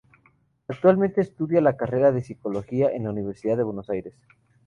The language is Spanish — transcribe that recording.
Actualmente estudia la carrera de psicología en la Universidad de Buenos Aires.